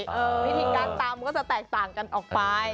วิธีการตำก็จะแตกต่างกันออกไป